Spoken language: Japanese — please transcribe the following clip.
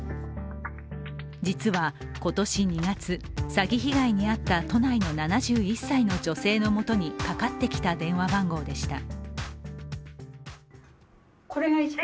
実は今年２月、詐欺被害に遭った都内の７１歳の女性のもとにかかってきた電話番号でした。